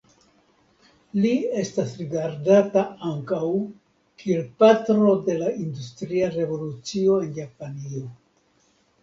Li estas rigardata ankaŭ kiel patro de la industria revolucio en Japanio.